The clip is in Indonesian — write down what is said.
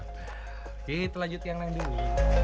oke kita lanjutkan yang lain dulu